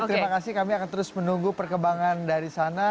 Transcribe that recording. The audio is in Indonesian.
terima kasih kami akan terus menunggu perkembangan dari sana